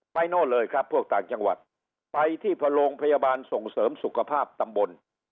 โน่นเลยครับพวกต่างจังหวัดไปที่โรงพยาบาลส่งเสริมสุขภาพตำบล